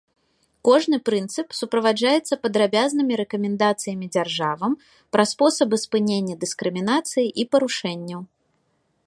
Кожны прынцып суправаджаецца падрабязнымі рэкамендацыямі дзяржавам пра спосабы спынення дыскрымінацыі і парушэнняў.